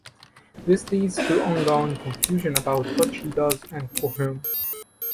This leads to ongoing confusion about what she does and for whom.